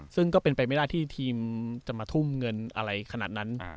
ซึ่งก็เป็นไปไม่ได้ที่ทีมจะมาทุ่มเงินอะไรขนาดนั้น